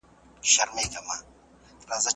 له نيکه را پاته سوی په ميراث دی